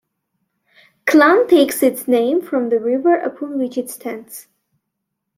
Clun takes its name from the river upon which it stands.